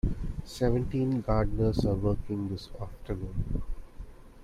Seventeen gardeners are working this afternoon.